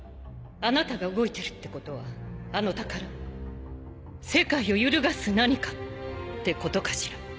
あなたが動いてるってことはあの宝世界を揺るがす何かってことかしら。